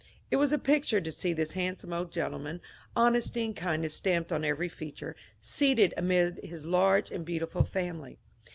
It was a picture to see this handsome old gentleman, honesty and kindness stamped on every feature, seated amid his large and beautiful family.